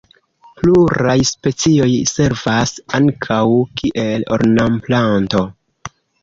Pluraj specioj servas ankaŭ kiel ornamplanto.